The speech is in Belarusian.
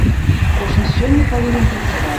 Кожны сёння павінен працаваць.